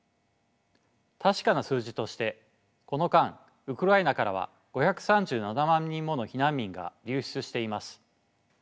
確かな数字としてこの間ウクライナからは５３７万人もの避難民が流出しています。